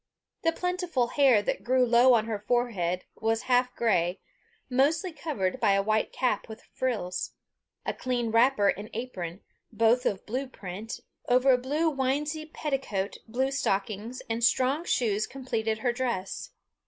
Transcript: The plentiful hair that grew low on her forehead, was half grey, mostly covered by a white cap with frills. A clean wrapper and apron, both of blue print, over a blue winsey petticoat, blue stockings, and strong shoes completed her dress.